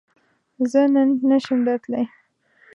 زۀ نن نشم درتلای